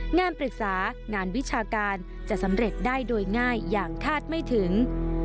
งานปรึกษางานวิชาการจะสำเร็จได้โดยง่ายอย่างคาดไม่ถึง